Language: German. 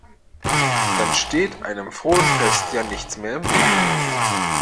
Dann steht einem frohen Fest ja nichts mehr im Weg.